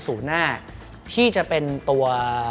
ศูนย์หน้าที่จะเป็นตัว